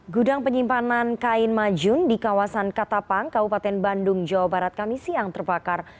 gudang penyimpanan kain majun di kawasan katapang kabupaten bandung jawa barat kami siang terbakar